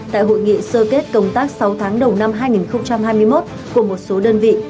tại hội nghị sơ kết công tác sáu tháng đầu năm hai nghìn hai mươi một của một số đơn vị